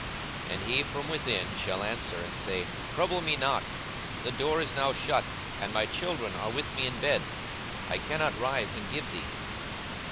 42:011:007 And he from within shall answer and say, Trouble me not: the door is now shut, and my children are with me in bed; I cannot rise and give thee.